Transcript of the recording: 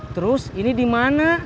terus ini dimana